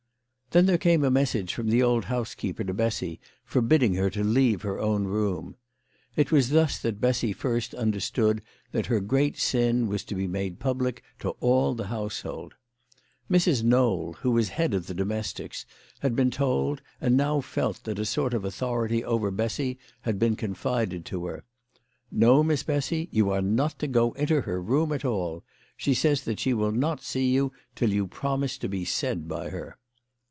Then there came a message from the old housekeeper to Bessy, forbidding her to leave her own room. It was thus that Bessy first understood that her great sin was to be made public to all the household. Mrs. Knowl, who was the head of the domestics, had been told, and now felt that a sort of authority over Bessy had been confided to her. " No, Miss Bessy ; you are not to go into her room at all. She says that she will not see you till you promise to be said by her."